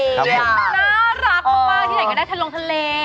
น่ารักมากที่ไหนก็ได้ทะลงทะเล